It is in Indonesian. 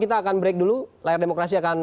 kita akan break dulu layar demokrasi akan